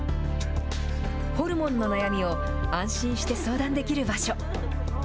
ホルモンの悩みを安心して相談できる場所。